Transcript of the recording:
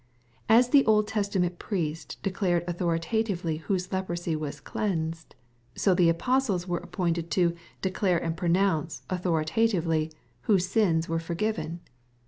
As the Old Testament priest declared authorita tively whose leprosy was cleansed, so the apostles were appointed to '^ declare and pronounce" authoritatively, MATTHEW, CHAP. XVI. 195 wbose sins were forgiven.